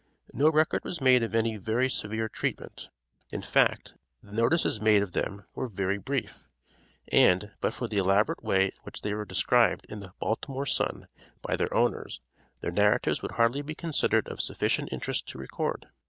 No record was made of any very severe treatment. In fact, the notices made of them were very brief, and, but for the elaborate way in which they were described in the "Baltimore Sun," by their owners, their narratives would hardly be considered of sufficient interest to record.